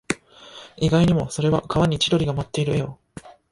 意外にも、それは川に千鳥が舞っている絵を